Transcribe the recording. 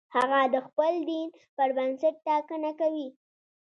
هغه د خپل دین پر بنسټ ټاکنه کوي.